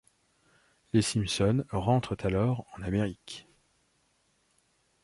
Les Simpson rentrent alors en Amérique.